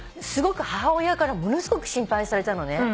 すごく母親からものすごく心配されたのね。